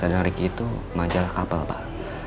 dengan model bisnrk itu majalah kapal pak